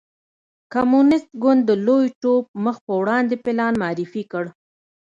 کمونېست ګوند د لوی ټوپ مخ په وړاندې پلان معرفي کړ.